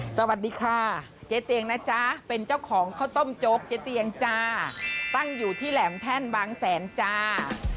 สวัสดีค่ะเจ๊เตียงนะจ๊ะเป็นเจ้าของข้าวต้มโจ๊กเจ๊เตียงจ้าตั้งอยู่ที่แหลมแท่นบางแสนจ้า